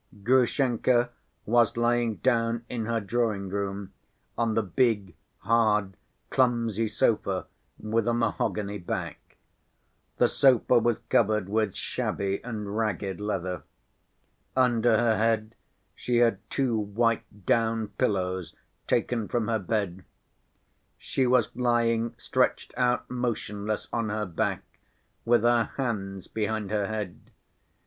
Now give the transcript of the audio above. Grushenka was lying down in her drawing‐room on the big, hard, clumsy sofa, with a mahogany back. The sofa was covered with shabby and ragged leather. Under her head she had two white down pillows taken from her bed. She was lying stretched out motionless on her back with her hands behind her head.